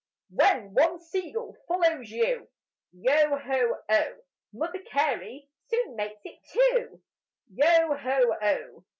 When one sea gull follows you, Yo ho oh! Mother Carey soon makes it two: Yo ho oh!